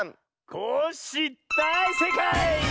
コッシーだいせいかい！